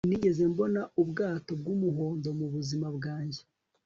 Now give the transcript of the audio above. Sinigeze mbona ubwato bwumuhondo mubuzima bwanjye